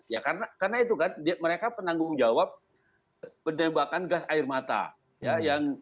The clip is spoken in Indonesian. ya karena itu kan mereka penanggung jawab penembakan gas air mata ya